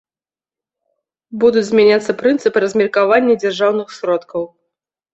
Будуць змяняцца прынцыпы размеркавання дзяржаўных сродкаў.